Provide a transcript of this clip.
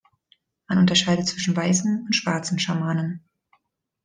Man unterscheidet zwischen „weißen“ und „schwarzen“ Schamanen.